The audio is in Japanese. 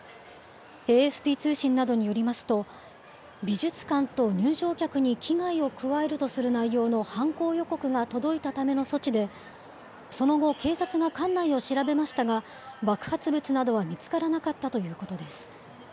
ＡＦＰ通信などによりますと、美術館と入場客に危害を加えるとする内容の犯行予告が届いたための措置で、その後、警察が館内を調べましたが、爆発物などは見つからなかったということです。